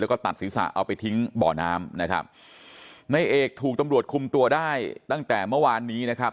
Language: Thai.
แล้วก็ตัดศีรษะเอาไปทิ้งบ่อน้ำนะครับในเอกถูกตำรวจคุมตัวได้ตั้งแต่เมื่อวานนี้นะครับ